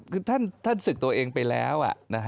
คือท่านศึกตัวเองไปแล้ว